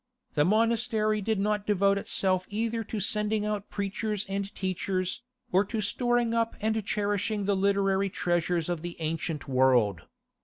The monastery did not devote itself either to sending out preachers and teachers, or to storing up and cherishing the literary treasures of the ancient world.